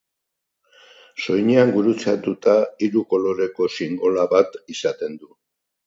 Soinean gurutzatuta hiru-koloreko xingola bat izaten du.